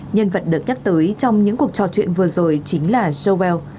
nhân vật được nhắc tới trong những cuộc trò chuyện vừa rồi chính là jobell